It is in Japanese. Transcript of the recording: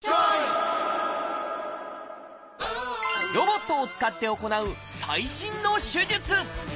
ロボットを使って行う最新の手術。